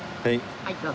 はいどうぞ。